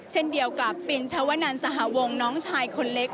เช่นเดียวกับปินชาวนันสหวงน้องชายคนเล็ก